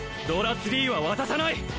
ドラツリーは渡さない！